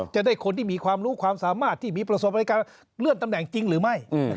จะได้คนที่มีความรู้ความสามารถที่มีประสบการณ์ในการเลื่อนตำแหน่งจริงหรือไม่